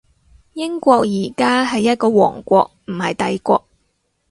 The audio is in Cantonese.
英國而家係一個王國，唔係帝國